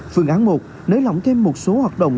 phương án một nới lỏng thêm một số hoạt động